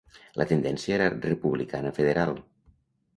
La tendència era republicana federal.